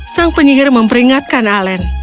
sang penyihir memperingatkan alen